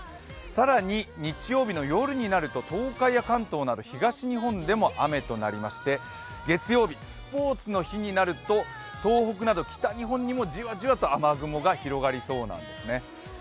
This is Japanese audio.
更に日曜日の夜になると東海や関東など東日本でも雨となりまして、月曜日、スポーツの日になると東北にもじわじわと雨雲が広がりそうなんですね。